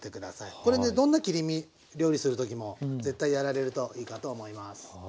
これねどんな切り身料理する時も絶対やられるといいかと思います。